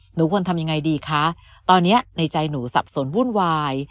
หนูควรทำยังไงดีคะตอนนี้ในใจหนูสับสนวุ่นวาย